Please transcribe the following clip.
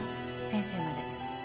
先生まで。